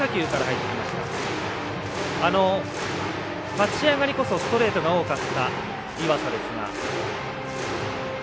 立ち上がりこそストレートが多かった岩佐ですが。